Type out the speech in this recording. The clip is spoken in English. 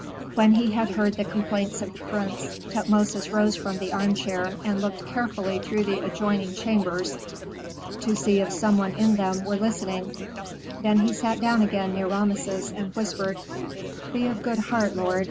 When he had heard the complaints of the prince, Tutmosis rose from the armchair and looked carefully through the adjoining chambers to see if someone in them were listening; then he sat down again near Rameses, and whispered, "Be of good heart, lord.